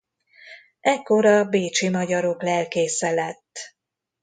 Ekkor a bécsi magyarok lelkésze lett.